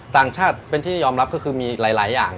ต่างชาติเป็นที่ยอมรับก็คือมีหลายอย่าง